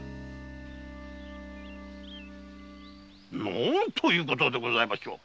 何ということでございましょう！